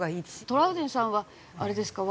トラウデンさんはあれですか？